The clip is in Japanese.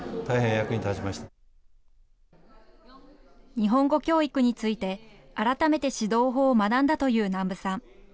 日本語教育について改めて指導法を学んだという南部さん。